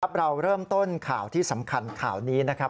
เราเริ่มต้นข่าวที่สำคัญข่าวนี้นะครับ